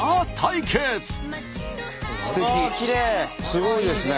すごいですね。